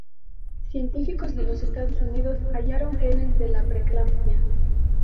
Científicos de los Estados Unidos hallaron genes de la preeclampsia.